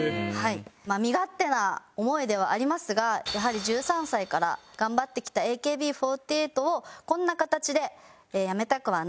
身勝手な思いではありますがやはり１３歳から頑張ってきたＡＫＢ４８をこんな形で辞めたくはない。